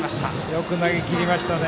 よく投げきりましたね。